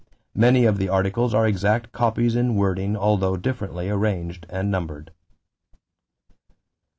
Many of the articles are exact copies in wording although differently arranged and numbered."